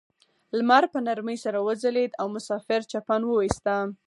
لمر په نرمۍ سره وځلید او مسافر چپن وویسته.